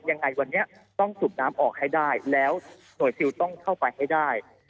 ยังไงวันนี้ต้องสูบน้ำออกให้ได้แล้วหน่วยซิลต้องเข้าไปให้ได้